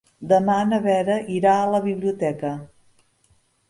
Demà na Vera irà a la biblioteca.